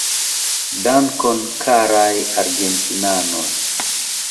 Dankon, karaj argentinanoj.